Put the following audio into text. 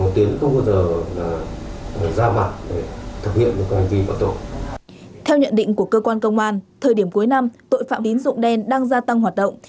theo cơ quan công an thời điểm cuối năm tội phạm tín dụng đen đang gia tăng hoạt động